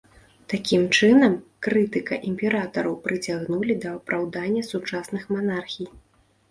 Такім чынам, крытыка імператараў прыцягнулі да апраўдання сучасных манархій.